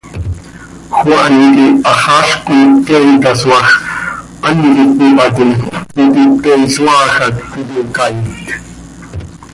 Juan quih haxaazc coi pte itasoaaj, hant itnípatim, iti pte isoaaj hac iyocaait.